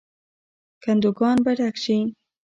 کندوګان به ډک شي.